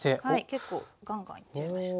結構ガンガンいっちゃいましょう。